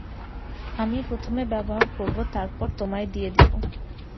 আমি প্রথমে ব্যবহার করব, তারপর তোমায় দিয়ে দেব।